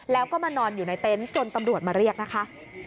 แล้วก็มานอนอยู่ในเต็นต์จนตำรวจมาเรียกนะคะ